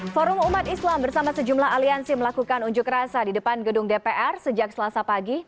forum umat islam bersama sejumlah aliansi melakukan unjuk rasa di depan gedung dpr sejak selasa pagi